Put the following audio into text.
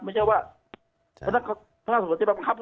ไม่ใช่ว่าพนักงานสรรค์ส่วนที่บันกฤมภาพ